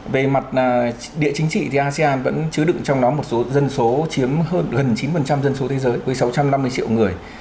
về mặt địa chính trị thì asean vẫn chứa đựng trong đó một số dân số chiếm hơn chín dân số thế giới với sáu trăm năm mươi triệu người